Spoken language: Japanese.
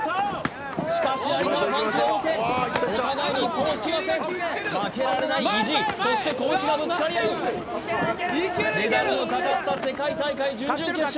しかし有田もパンチで応戦お互いに一歩も引きません負けられない意地そして拳がぶつかり合うメダルのかかった世界大会準々決勝